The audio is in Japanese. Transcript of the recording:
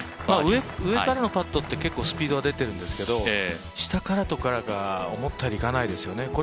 上からのパットって結構出てるんですけど、下からとかが思ったよりいかないですよね。